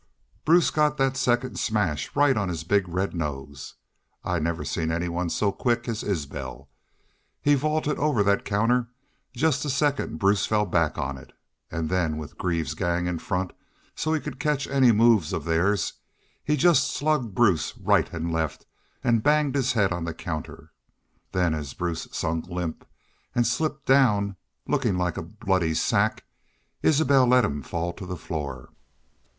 Bruce got thet second smash right on his big red nose.... I never seen any one so quick as Isbel. He vaulted over thet counter jest the second Bruce fell back on it, an' then, with Greaves's gang in front so he could catch any moves of theirs, he jest slugged Bruce right an' left, an' banged his head on the counter. Then as Bruce sunk limp an' slipped down, lookin' like a bloody sack, Isbel let him fall to the floor.